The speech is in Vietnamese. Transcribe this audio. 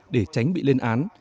để tránh bị lên án